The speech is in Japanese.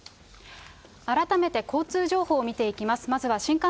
改めて交通情報を見ていきます。